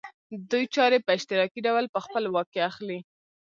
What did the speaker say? دوی چارې په اشتراکي ډول په خپل واک کې اخلي